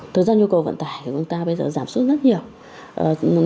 thực ra nhu cầu vận tải của chúng ta bây giờ giảm sút rất nhiều